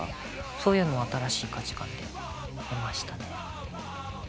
そういうのは新しい価値観で得ましたね。